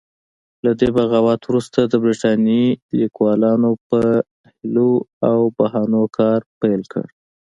له دې بغاوت وروسته د برتانیې لیکوالو په حیلو او بهانو کار پیل کړ.